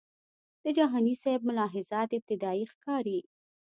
د جهانی سیب ملاحظات ابتدایي ښکاري.